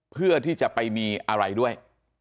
เพื่อที่จะไปมีอะไรด้วย